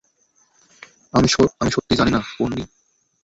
আমি সত্যিই জানি না, পোন্নি।